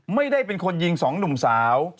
ไม่ได้เป็นคนยิงสองหนุ่มสาว